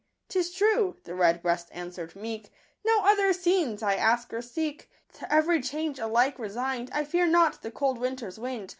" 'Tis true," the Redbreast answer'd meek, " No other scenes I ask or seek ; To every change alike resign'd, I fear not the cold winter's wind.